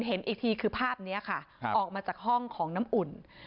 เห็นอีกทีคือภาพนี้ค่ะออกมาจากห้องของน้ำอุ่น